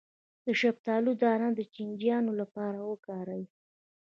د شفتالو دانه د چینجیانو لپاره وکاروئ